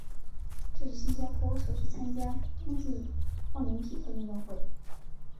这是新加坡首次参加冬季奥林匹克运动会。